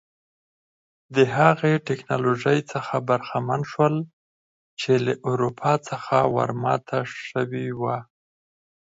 د هغې ټکنالوژۍ څخه برخمن شول چې له اروپا څخه ور ماته شوې وه.